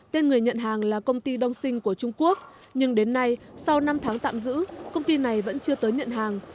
tên người nhận hàng là công ty đông sinh của trung quốc nhưng đến nay sau năm tháng tạm giữ công ty này vẫn chưa tới nhận hàng